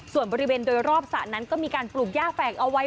ส่วนบริเวณโดยรอบสระนั้นก็มีการปลูกย่าแฝกเอาไว้